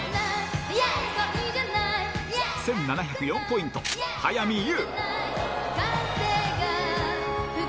１７０４ポイント、早見優。